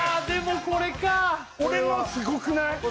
でもこれか俺のすごくない？